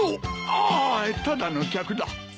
ああただの客だ。